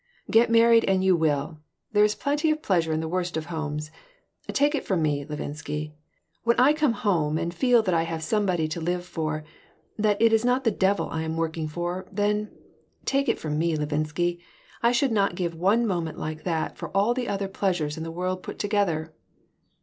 "Get married and you will. There is plenty of pleasure in the worst of homes. Take it from me,. Levinsky. When I come home and feel that I have somebody to live for, that it is not the devil I am working for, then take it from me, Levinsky I should not give one moment like that for all the other pleasures in the world put together."